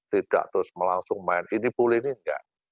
tidak terus melangsung main ini boleh ini enggak